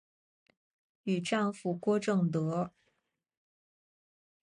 与丈夫郭政德。